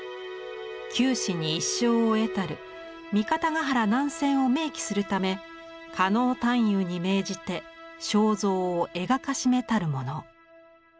「九死に一生を得たる三方ヶ原難戦を銘記するため狩野探幽に命じて肖像を描かしめたるもの」。